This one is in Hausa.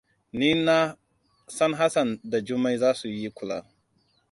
Ni na san Hassan da Jummai za su yi kuka.